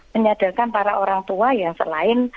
menyadarkan para orang tua yang selain